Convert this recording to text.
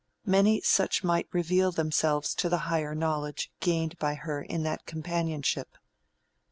Many such might reveal themselves to the higher knowledge gained by her in that companionship.